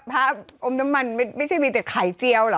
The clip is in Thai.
อมน้ำมันไม่ใช่มีแต่ไข่เจียวเหรอ